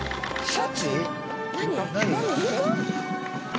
シャチ？